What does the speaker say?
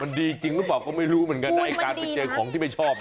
มันดีจริงหรือเปล่าก็ไม่รู้เหมือนกันไอ้การไปเจอของที่ไม่ชอบ